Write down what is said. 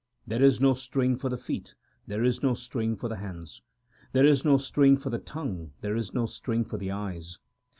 There is no string for the feet, there is no string for the hands, ASA KI WAR 239 There is no string for the tongue, there is no string for the eyes.